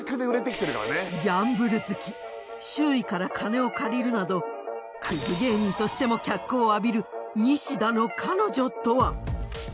ギャンブル好き周囲から金を借りるなどクズ芸人としても脚光を浴びるニシダの彼女とは？